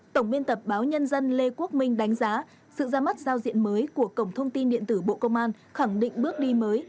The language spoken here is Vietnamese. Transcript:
tổng biên tập báo nhân dân lê quốc minh đánh giá sự ra mắt giao diện mới của cổng thông tin điện tử bộ công an khẳng định bước đi mới